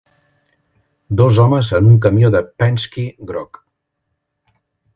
Dos homes en un camió de Penske groc